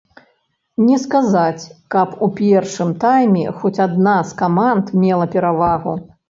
Не сказаць, каб у першым тайме хоць адна з каманд мела перавагу.